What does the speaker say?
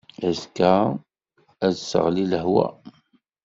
Azekka ad d-teɣli lehwa.